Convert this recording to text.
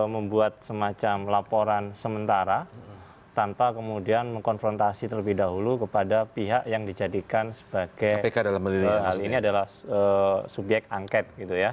membuat semacam laporan sementara tanpa kemudian mengkonfrontasi terlebih dahulu kepada pihak yang dijadikan sebagai subyek angket